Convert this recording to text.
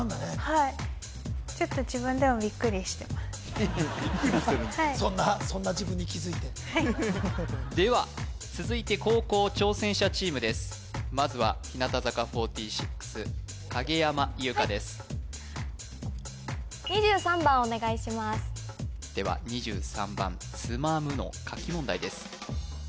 はいビックリしてるはいでは続いて後攻挑戦者チームですまずは日向坂４６影山優佳ですはい２３番お願いしますでは２３番つまむの書き問題です